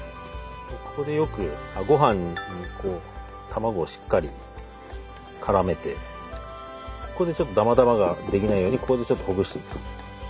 ここでよくごはんに卵をしっかり絡めてちょっとだまだまが出来ないようにここでちょっとほぐしていくと。